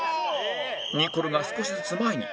ニコルが少しずつ前に